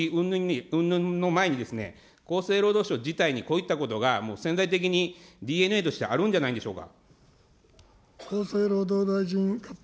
うんぬんの前に、厚生労働省事態にこういったことが潜在的にＤＮＡとしてあるんじゃないでしょうか。